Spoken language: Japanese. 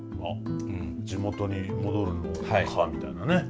地元に戻るのかみたいなね。